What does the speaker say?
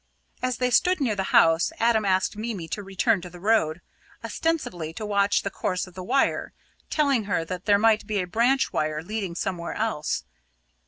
As they stood near the house, Adam asked Mimi to return to the road, ostensibly to watch the course of the wire, telling her that there might be a branch wire leading somewhere else.